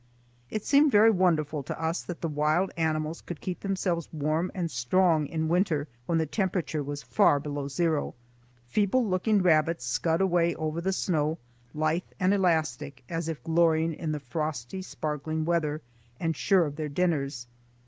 It seemed very wonderful to us that the wild animals could keep themselves warm and strong in winter when the temperature was far below zero. Feeble looking rabbits scud away over the snow, lithe and elastic, as if glorying in the frosty, sparkling weather and sure of their dinners.